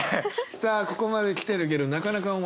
さあここまで来てるけどなかなか思い出せない。